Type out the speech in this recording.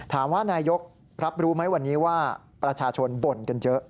นายกรับรู้ไหมวันนี้ว่าประชาชนบ่นกันเยอะ